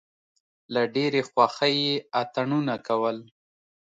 له ډېرې خوښۍ یې اتڼونه کول.